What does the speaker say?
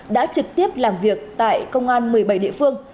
đã trực tiếp làm việc tại công an một mươi bảy địa phương